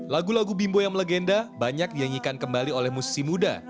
lagi lagi bimbo yang legenda banyak dianyakan kembali oleh musisi muda